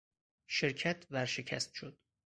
شرکت ورشکست شد.